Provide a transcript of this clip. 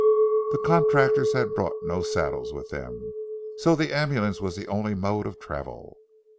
The contractors had brought no saddles with them, so the ambulance was the only mode of travel.